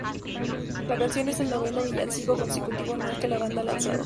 La canción es el noveno villancico consecutivo anual que la banda ha lanzado.